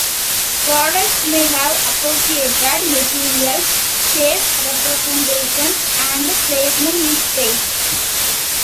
Products may have associated materials, shape representations, and placement in space.